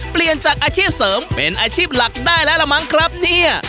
เปลี่ยนจากอาชีพเสริมเป็นอาชีพหลักได้แล้วละมั้งครับเนี่ย